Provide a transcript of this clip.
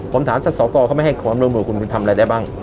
ผมถามสอกรเขาไม่ให้ความร่วมมือคุณคุณทำอะไรได้บ้าง